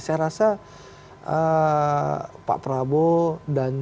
saya rasa pak prabowo dan